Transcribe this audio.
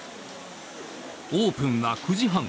オープンは９時半。